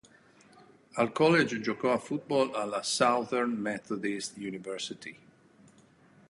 Al college giocò a football alla Southern Methodist University.